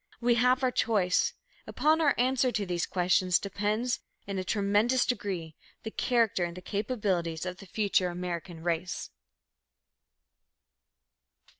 We have our choice. Upon our answer to these questions depends in a tremendous degree the character and the capabilities of the future American race.